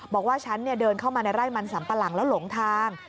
บอกว่าฉันเดินเข้ามาในไร่มันสัมปะหลังแล้วหลงทาง